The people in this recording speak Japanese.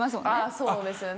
そうですよね。